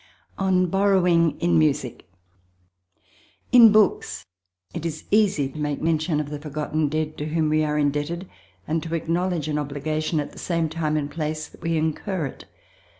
On Borrowing in Music In books it is easy to make mention of the forgotten dead to whom we are indebted, and to acknowledge an obligation at the same time and place that we incur it.